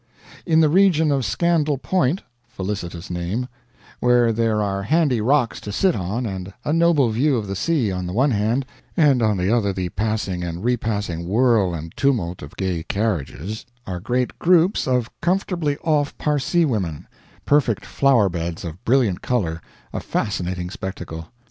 In the region of Scandal Point felicitous name where there are handy rocks to sit on and a noble view of the sea on the one hand, and on the other the passing and repassing whirl and tumult of gay carriages, are great groups of comfortably off Parsee women perfect flower beds of brilliant color, a fascinating spectacle.